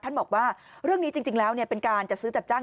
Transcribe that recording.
บอกว่าเรื่องนี้จริงแล้วเป็นการจัดซื้อจัดจ้าง